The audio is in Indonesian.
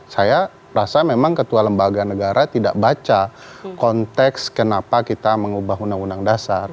saya rasa memang ketua lembaga negara tidak baca konteks kenapa kita mengubah uud